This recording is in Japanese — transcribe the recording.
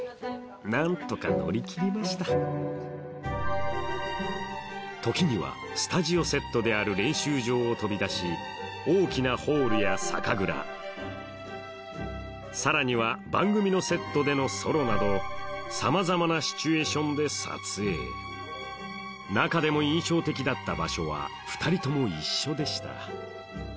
何とか乗り切りました時にはスタジオセットである練習場を飛び出しさらには番組のセットでのソロなどさまざまなシチュエーションで撮影中でも印象的だった場所は２人とも一緒でした